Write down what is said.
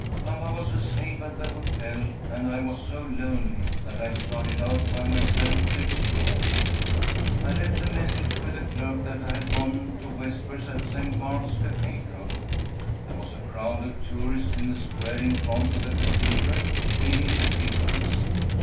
Papa was asleep at the hotel, and I was so lonely that I started out by myself to explore. I left a message with the clerk that I had gone to vespers at Saint Mark's Cathedral. There was a crowd of tourists in the square in front of the cathedral, feeding the pigeons.